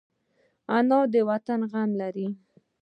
انا د وطن غم لري